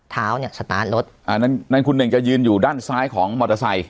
เท้าเนี่ยสตาร์ทรถอ่านั่นคุณเน่งจะยืนอยู่ด้านซ้ายของมอเตอร์ไซค